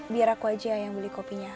biar aku aja yang beli kopinya